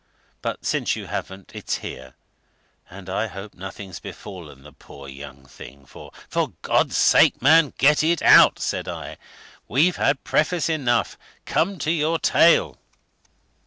But since you haven't, it's here and I hope nothing's befallen the poor young thing, for " "For God's sake, man, get it out!" said I. "We've had preface enough come to your tale!"